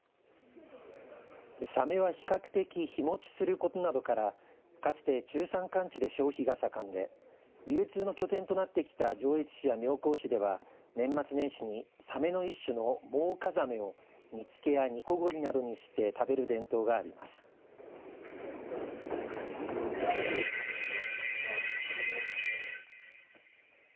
さめは比較的日持ちすることなどからかつて中山間地で消費が盛んで流通の拠点となってきた上越市や妙高市では年末年始にさめの一種のモウカザメを煮付けや煮凝りなどにして食べる伝統があります。